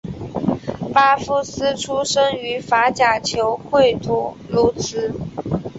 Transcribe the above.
巴夫斯出身于法甲球会图卢兹。